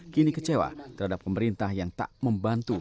kini kecewa terhadap pemerintah yang tak membantu